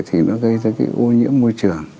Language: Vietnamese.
thì nó gây ra cái ô nhiễm môi trường